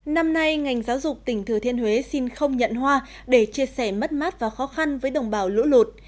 năm nay ngành giáo dục tỉnh thừa thiên huế xin không nhận hoa để chia sẻ mất mát và khó khăn với đồng bào lũ lột